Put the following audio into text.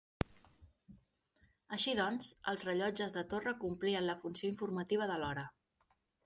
Així doncs, els rellotges de torre complien la funció informativa de l'hora.